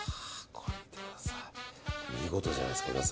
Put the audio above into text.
見事じゃないですか？